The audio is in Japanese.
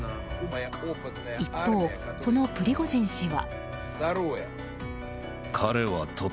一方、そのプリゴジン氏は。